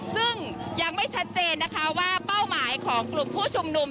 ซึ่งยังไม่ชัดเจนนะคะว่าเป้าหมายของกลุ่มผู้ชุมนุม